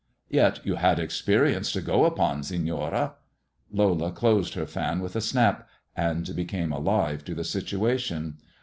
" Yet you had experience to go upon, Senora." Lola closed her fan with a snap, and became alive to the situation.